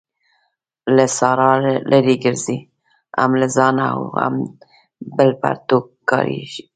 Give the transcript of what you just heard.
له سارا لري ګرځئ؛ هم له ځانه او هم بله پرتوګ کاږي.